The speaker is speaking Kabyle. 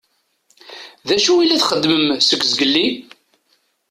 D acu i la txeddmem seg zgelli?